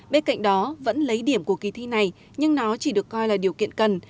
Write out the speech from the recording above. bên cạnh đó vẫn lấy điểm của kỳ thi này nhưng nó chỉ được coi là điều kiện cần